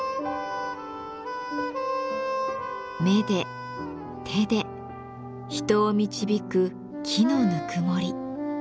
目で手で人を導く木のぬくもり。